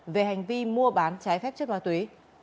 về hành vi mua bán trái phép chất ma túy